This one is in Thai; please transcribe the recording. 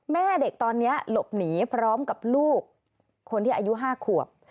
แม่เด็กตอนนี้หลบหนีพร้อมกับลูกคนที่อายุ๕ขวบ